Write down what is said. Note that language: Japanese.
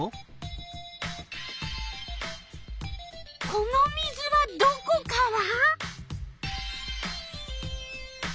この水はどこから？